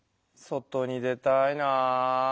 外に出たいなあ。